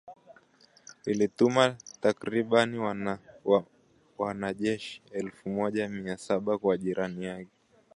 Ilituma takribani wanajeshi elfu moja mia saba kwa jirani yake